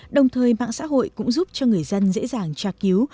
đồng thời mạng xã hội cũng giúp cho người dân dễ dàng tra cứu